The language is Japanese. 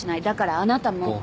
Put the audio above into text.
だからあなたも。